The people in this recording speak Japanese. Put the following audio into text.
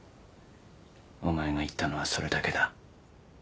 お前が言ったのはそれだけだ。